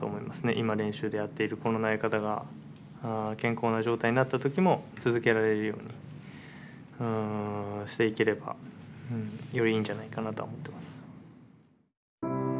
今練習でやっているこの投げ方が健康な状態になった時も続けられるようにしていければよりいいんじゃないかなとは思ってます。